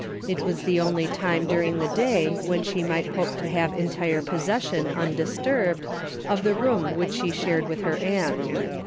It was the only time during the day when she might hope to have entire possession undis turbed, of the room which she shared with her aunt.